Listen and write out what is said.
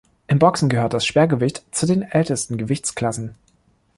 Im Boxen gehört das Schwergewicht zu den ältesten Gewichtsklassen.